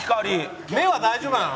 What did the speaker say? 「目は大丈夫なの？」